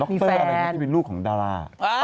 มีแฟนดรอะไรอย่างนี้เป็นลูกของดารา